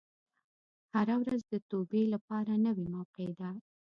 هره ورځ د توبې لپاره نوې موقع ده.